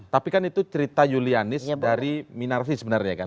tapi kan itu cerita julianis dari minarsi sebenarnya kan